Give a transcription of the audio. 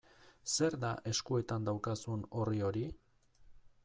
Zer da eskuetan daukazun orri hori?